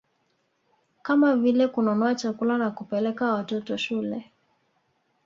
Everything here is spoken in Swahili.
Kama vile kununua chakula na kupeleka watoto shule